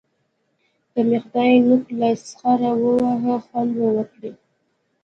که مې خدای نوک له سخره وواهه؛ خوند به وکړي.